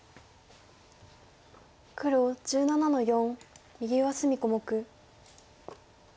黒１７の四右上隅小目。